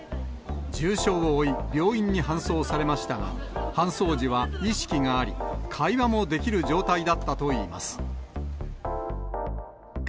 重傷を負い、病院に搬送されましたが、搬送時は意識があり、会話もできる状態だったといいます。